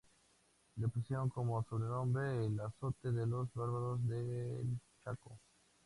Le pusieron como sobrenombre ""el azote de los bárbaros del Chaco"".